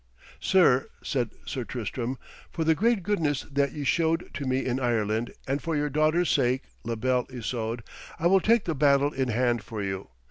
'Sir,' said Sir Tristram, 'for the great goodness that ye showed to me in Ireland and for your daughter's sake, La Belle Isoude, I will take the battle in hand for you.